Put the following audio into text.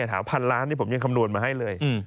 ถามว่า๑๐๐๐ล้านผมยังคำนวณมาให้เลย